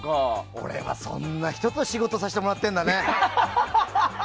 俺はそんな人と仕事させてもらってるんだね。